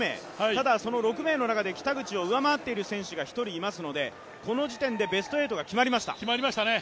ただ、その６名の中で北口を上回っている選手が１人いますのでこの時点でベスト８が決まりました。